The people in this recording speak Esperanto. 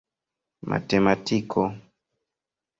matematiko